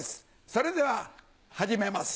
それでは始めます。